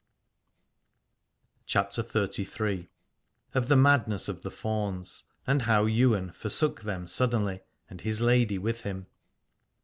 205 CHAPTER XXXIII. OF THE MADNESS OF THE FAUNS, AND HOW YWAIN FORSOOK THEM SUDDENLY, AND HIS LADY WITH HIM.